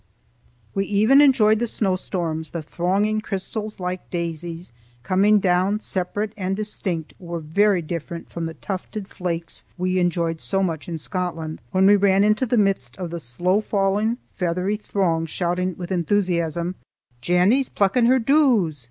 We even enjoyed the snowstorms, the thronging crystals, like daisies, coming down separate and distinct, were very different from the tufted flakes we enjoyed so much in Scotland, when we ran into the midst of the slow falling feathery throng shouting with enthusiasm: "Jennie's plucking her doos!